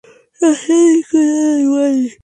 La sede del condado es Walden.